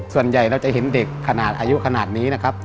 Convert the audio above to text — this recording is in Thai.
ส่วนใหญ่เราจะเห็นเด็กขนาดอายุขนาดนี้นะครับ